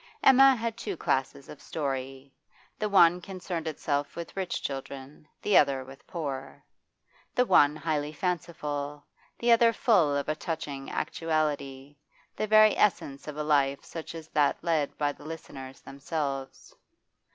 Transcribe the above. Emma had two classes of story: the one concerned itself with rich children, the other with poor; the one highly fanciful, the other full of a touching actuality, the very essence of a life such as that led by the listeners themselves.